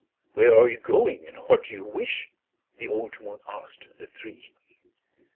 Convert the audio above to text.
"Where are you going, and what do you wish?" The old moon asked the three.